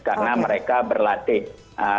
karena mereka berlatih ee